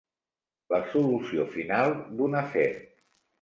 La solució final d'un afer.